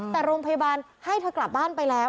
แต่โรงพยาบาลให้เธอกลับบ้านไปแล้ว